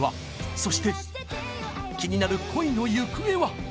そして気になる恋の行方は？